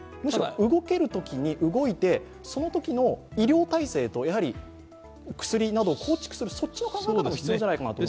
動けるときに動いて、そのときの医療体制と薬など構築する、そっちの考え方が必要じゃないかと。